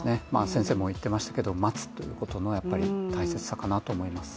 先生も言ってましたけど待つということの大切さかなと思います。